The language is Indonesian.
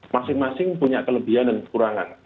masing masing punya kelebihan dan kekurangan